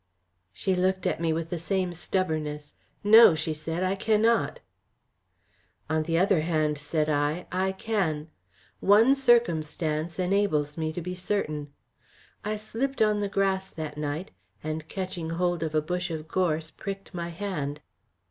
She looked at me with the same stubbornness. "No," she said, "I cannot." "On the other hand," said I, "I can. One circumstance enables me to be certain. I slipped on the grass that night, and catching hold of a bush of gorse pricked my hand."